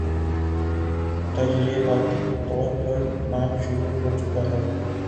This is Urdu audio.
تجرباتی طور پر کام شروع ہو چکا ہے